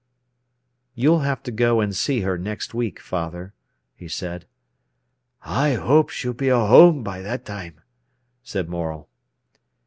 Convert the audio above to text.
"You'll have to go and see her next week, father," he said. "I hope she'll be a whoam by that time," said Morel.